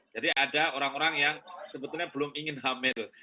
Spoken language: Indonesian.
jadi ada orang orang yang sebetulnya belum ingin hamil